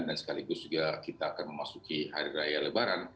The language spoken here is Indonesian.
dan sekaligus juga kita akan memasuki hari raya lebaran